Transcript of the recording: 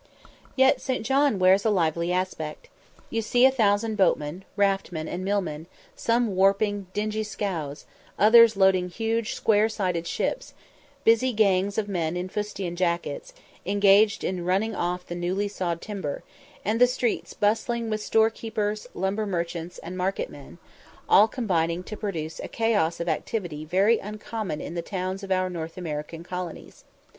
Yet St. John wears a lively aspect. You see a thousand boatmen, raftmen, and millmen, some warping dingy scows, others loading huge square sided ships; busy gangs of men in fustian jackets, engaged in running off the newly sawed timber; and the streets bustling with storekeepers, lumber merchants, and market men; all combining to produce a chaos of activity very uncommon in the towns of our North American colonies.